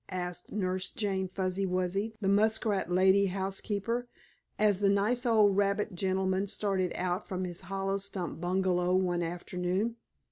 asked Nurse Jane Fuzzy Wuzzy, the muskrat lady housekeeper, as the nice old rabbit gentleman started out from his hollow stump bungalow one afternoon.